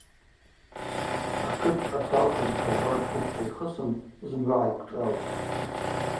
Акыт дъаталхыз йхабар тӏупта йхысын зымгӏва гӏайпшӏалтӏ.